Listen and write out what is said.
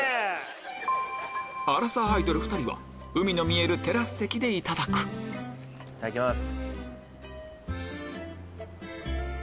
アラサーアイドル２人は海の見えるテラス席でいただくいただきます。